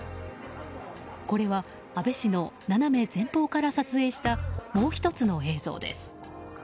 これは安倍氏の斜め前方から撮影したもう１つの映像です。